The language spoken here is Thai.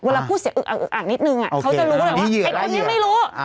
เวลาพูดเสียงอึกอักอึกอักนิดนึงเขาจะรู้เลยว่าไอ้คนนี้ไม่รู้